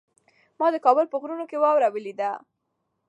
ما د کابل په غرونو کې واوره ولیده.